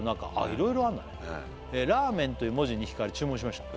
いろいろあるんだね「ラーメンという文字に引かれ注文しました」